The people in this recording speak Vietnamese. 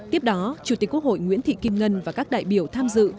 tiếp đó chủ tịch quốc hội nguyễn thị kim ngân và các đại biểu tham dự